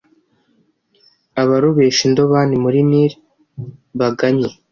abarobesha indobani muri Nili baganye,